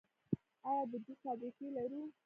آیا د جوس فابریکې لرو؟